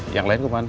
yang lain ke mana